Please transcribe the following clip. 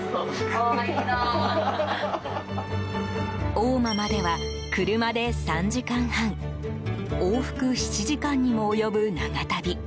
大間までは車で３時間半往復７時間にも及ぶ長旅。